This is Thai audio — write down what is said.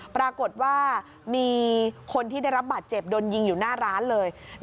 ปรากฏว่ามีคนที่ได้รับบาดเจ็บโดนยิงอยู่หน้าร้านเลย